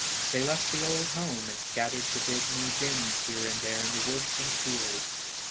They left the old home and scattered to dig new dens here and there in the woods and fields.